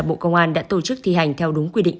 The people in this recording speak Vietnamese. bộ công an đã tổ chức thi hành theo đúng quy định